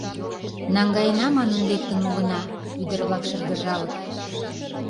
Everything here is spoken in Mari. — Наҥгаена манын лектын улына, — ӱдыр-влак шыргыжалыт.